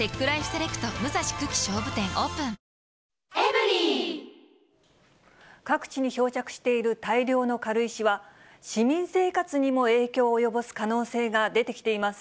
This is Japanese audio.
なん各地に漂着している大量の軽石は、市民生活にも影響を及ぼす可能性が出てきています。